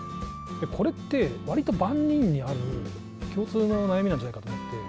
これって、わりと万人にある共通の悩みなんじゃないかと思って。